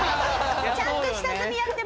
ちゃんと下積みやってます。